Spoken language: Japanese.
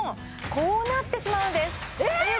こうなってしまうんですえっ